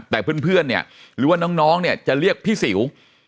แต่เพื่อนเนี่ยหรือว่าน้องเนี่ยจะเรียกพี่สิว